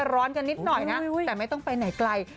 ร้อนกันนิดหน่อยนะแต่ไม่ต้องไปไหนไกล